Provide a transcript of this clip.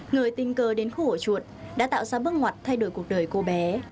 người tình cờ đến khổ chuột đã tạo ra bước ngoặt thay đổi cuộc đời cô bé